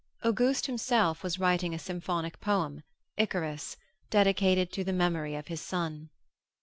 Auguste himself was writing a symphonic poem, Icarus, dedicated to the memory of his son.